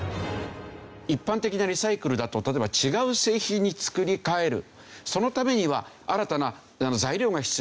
一般的なリサイクルだと例えば違う製品に作り替えるそのためには新たな材料が必要になったりする。